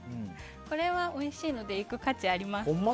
これは、おいしいので行く価値あります。